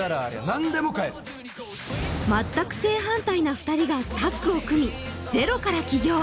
何でも買える全く正反対な２人がタッグを組みゼロから起業